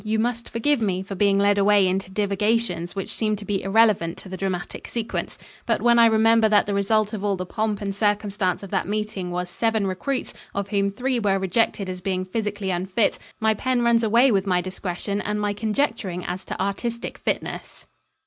You must forgive me for being led away into divagations which seem to be irrelevant to the dramatic sequence. But when I remember that the result of all the pomp and circumstance of that meeting was seven recruits, of whom three were rejected as being physically unfit, my pen runs away with my discretion, and my conjecturing as to artistic fitness.